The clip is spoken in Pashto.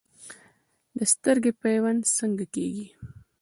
د سترګې پیوند څنګه کیږي؟